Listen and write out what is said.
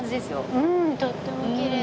うんとってもきれい。